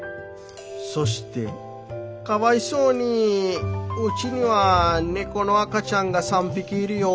そして『かわいそうにうちには猫の赤ちゃんが３匹いるよ。